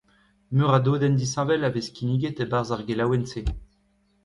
Meur a dodenn disheñvel a vez kinniget e-barzh ar gelaouenn-se.